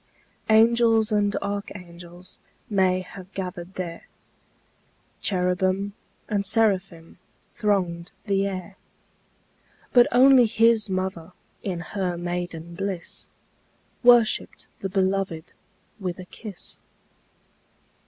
Angels and archangels May have gathered there, Cherubim and seraphim Thronged the air; But only His mother, In her maiden bliss, Worshipped the Beloved With a kiss.